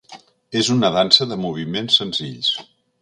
És una dansa de moviments senzills.